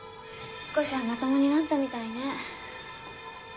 少しはまともになったみたいね。